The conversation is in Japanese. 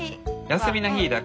休みの日だけ。